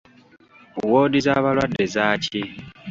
Woodi z'abalwadde zaaki?